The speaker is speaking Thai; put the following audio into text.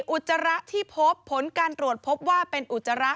อุจจาระที่พบผลการตรวจพบว่าเป็นอุจจาระ